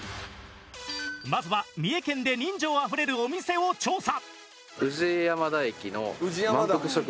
まずは三重県で人情あふれるお店を調査。